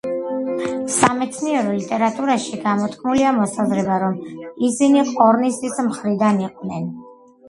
სამეცნიერო ლიტერატურაში გამოთქმულია მოსაზრება რომ ისინი ყორნისის მხრიდან იყვნენ.